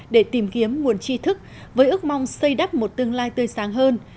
để tìm kiếm nguồn chi thức với ước mong xây đắp một tương lai tươi sáng hơn